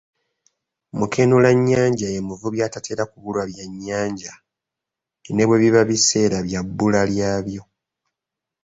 Mukenulannyanja ye muvubi atatera kubulwa byannyanja, ne bwe biba biseera bya bbula lyabyo